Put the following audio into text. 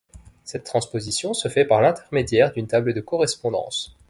Cette transposition se fait par l'intermédiaire d'une table de correspondance.